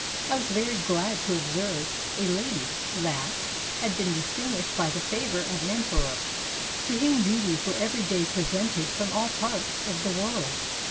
I was very glad to observe a lady that had been distinguished by the favor of an emperor, to whom beauties were every day presented from all parts of the world.